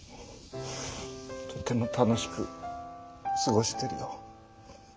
とても楽しく過ごしてるよ。